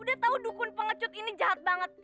udah tahu dukun pengecut ini jahat banget